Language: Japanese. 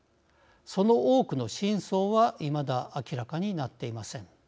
その多くの真相はいまだ明らかになっていません。